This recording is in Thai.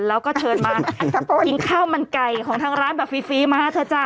แล้วก็เชิญมากินข้าวมันไก่ของทางร้านแบบฟรีมาเถอะจ้ะ